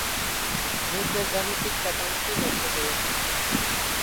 নিচের গাণিতিক কাঠামোটি লক্ষ্য করুন।